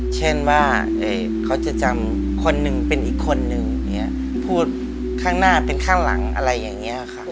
เช่นว่าเขาจะจำคนหนึ่งเป็นอีกคนนึงพูดข้างหน้าเป็นข้างหลังอะไรอย่างนี้ค่ะ